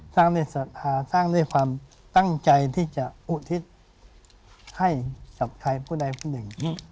ศรัทธาสร้างด้วยความตั้งใจที่จะอุทิศให้กับใครผู้ใดผู้หนึ่ง